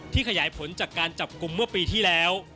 ขยายผลจากการจับกลุ่มเมื่อปีที่แล้ว